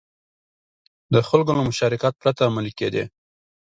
د خلکو له مشارکت پرته عملي کېدې.